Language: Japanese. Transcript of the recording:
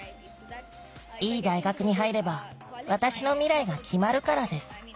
いい大学に入れば私の未来が決まるからです。